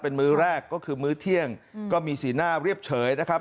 เป็นมื้อแรกก็คือมื้อเที่ยงก็มีสีหน้าเรียบเฉยนะครับ